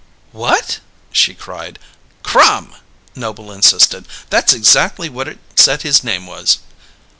"What!" she cried "Crum!" Noble insisted. "That's exactly what it said his name was!"